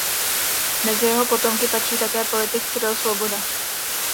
Mezi jeho potomky patří také politik Cyril Svoboda.